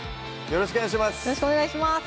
よろしくお願いします